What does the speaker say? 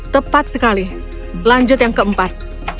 tepat sekali lanjut yang keempat